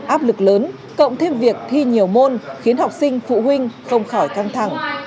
áp lực lớn cộng thêm việc thi nhiều môn khiến học sinh phụ huynh không khỏi căng thẳng